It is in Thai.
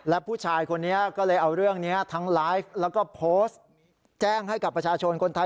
และผู้ชายคนนี้ก็เลยเอาเรื่องนี้ทั้งไลฟ์แล้วก็โพสต์แจ้งให้กับประชาชนคนไทย